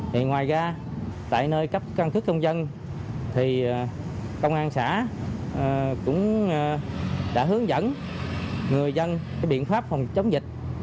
thì ngoài ra tại nơi cấp căn cước công dân thì công an xã cũng đã hướng dẫn người dân cái biện pháp phòng chống dịch